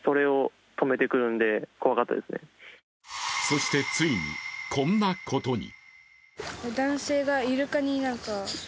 そして、ついにこんなことに。